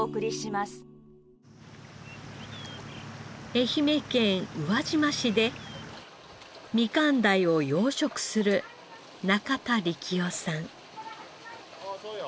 愛媛県宇和島市でみかん鯛を養殖する中田力夫さん。